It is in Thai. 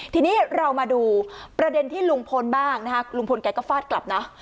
ทีนี้เรามาดูประเด็นที่ลุงพลบ้างนะคะลุงพลแกก็ฟาดกลับนะ